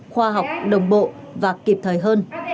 khoa học đồng bộ và kịp thời hơn